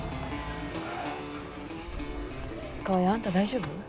川合あんた大丈夫？